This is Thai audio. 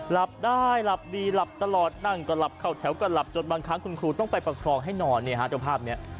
หลับได้หลับดีหลับตลอดนั่งก็หลับเข้าแถวก็หลับจนบางครั้งคุณครูต้องไปประคองให้นอนเนี่ยฮะเจ้าภาพนี้